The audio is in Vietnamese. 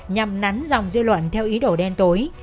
nhằm nắn dòng dư luận theo ý đồ đen tối